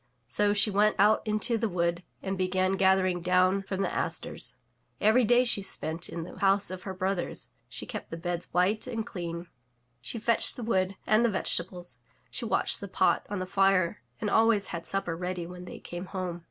So she went out into the wood and began gathering down from the asters. Every day she spent in the house of her brothers; she kept the beds white and clean; she fetched the wood and the vegetables; she watched the pot on the fire and always had supper ready when they came home.